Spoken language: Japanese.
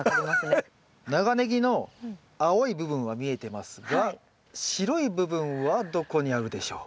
長ネギの青い部分は見えてますが白い部分はどこにあるでしょう？